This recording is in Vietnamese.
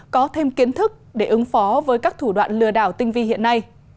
có thêm kiến thức để ứng phó với các thủ đoạn lừa đảo tinh vi hiện nay